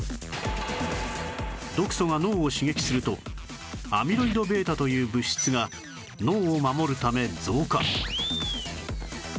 毒素が脳を刺激するとアミロイド β という物質が脳を守るため増加